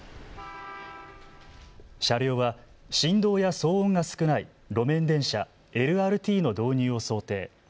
車両は振動や騒音が少ない路面電車、ＬＲＴの導入を想定。